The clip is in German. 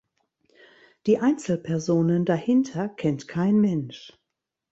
Die Einzelpersonen dahinter kennt kein Mensch.